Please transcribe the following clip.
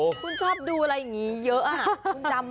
คุณชอบดูอะไรอย่างนี้เยอะคุณจำ